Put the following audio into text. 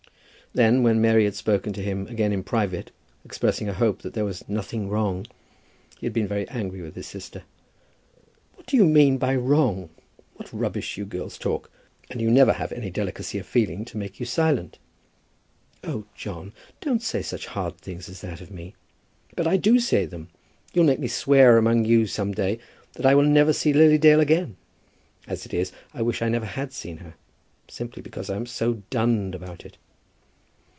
Then, when Mary had spoken to him again in private, expressing a hope that there was "nothing wrong," he had been very angry with his sister. "What do you mean by wrong? What rubbish you girls talk! and you never have any delicacy of feeling to make you silent." "Oh, John, don't say such hard things as that of me!" "But I do say them. You'll make me swear among you some day that I will never see Lily Dale again. As it is, I wish I never had seen her, simply because I am so dunned about it."